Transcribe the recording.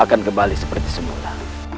akan kembali seperti semula